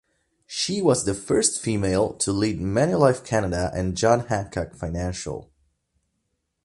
She was the first female to lead Manulife Canada and John Hancock Financial.